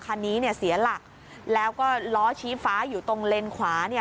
คันนี้เนี่ยเสียหลักแล้วก็ล้อชี้ฟ้าอยู่ตรงเลนขวาเนี่ย